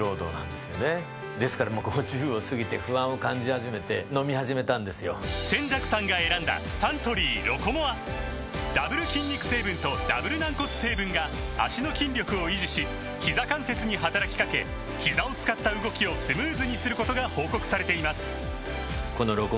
そう語るのは中村扇雀さん扇雀さんが選んだサントリー「ロコモア」ダブル筋肉成分とダブル軟骨成分が脚の筋力を維持しひざ関節に働きかけひざを使った動きをスムーズにすることが報告されています